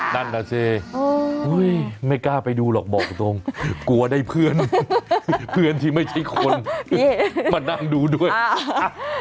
นั่นน่ะสิไม่กล้าไปดูหรอกบอกตรงกลัวได้เพื่อนเพื่อนที่ไม่ใช่คนมานั่งดูด้วยอ่า